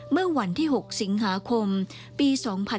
เมื่อวันที่๖สิงหาคมปี๒๕๕๙